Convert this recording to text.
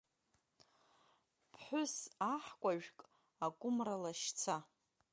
Ԥҳәыс аҳкәажәк акәымра лашьца…